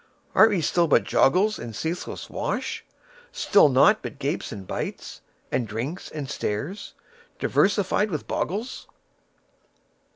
Are ye still but joggles In ceaseless wash? Still naught but gapes and bites, And drinks and stares, diversified with boggles?